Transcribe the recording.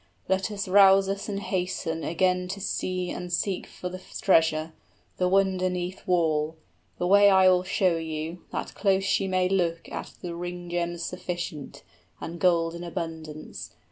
Let us rouse us and hasten Again to see and seek for the treasure, 45 The wonder 'neath wall. The way I will show you, That close ye may look at ring gems sufficient And gold in abundance.